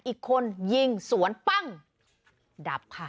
อีกคนยิงสวนปั้งดับค่ะ